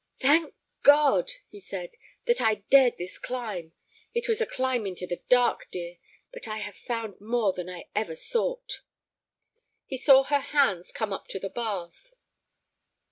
"Thank God," he said, "that I dared this climb! It was a climb into the dark, dear, but I have found more than ever I sought." He saw her hands come up to the bars.